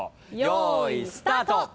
よーいスタート。